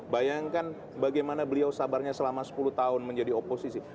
bayangkan bagaimana beliau sabarnya selama sepuluh tahun menjadi oposisi